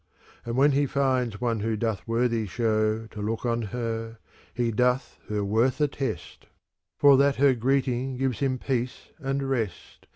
And when he finds one who doth worthy show To look on her, he doth her worth attest ; For that her greeting gives him peace and rest.